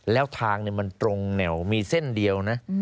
แล้วทางมันตรงแนวมีเส้นเดียวนะ